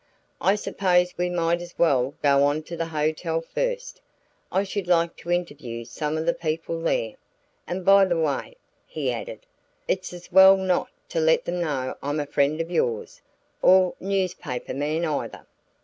"I suppose we might as well go on to the hotel first. I should like to interview some of the people there. And by the way," he added, "it's as well not to let them know I'm a friend of yours or a newspaper man either.